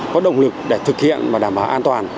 có động lực để thực hiện và đảm bảo an toàn